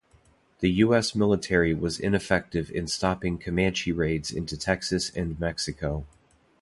The U. S. military was ineffective in stopping Comanche raids into Texas and Mexico.